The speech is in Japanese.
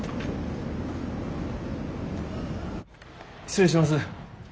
失礼します。